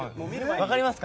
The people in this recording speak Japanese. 分かりますか？